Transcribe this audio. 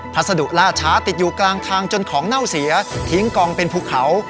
พัสดุล่าช้าติดอยู่กลางทางจนของเน่าเสียทิ้งกองเป็นภูเขา